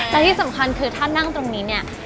และที่สำคัญคือถ้านั่งตรงนี้เนี่ย